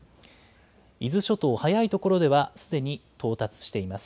伊豆諸島、早い所ではすでに到達しています。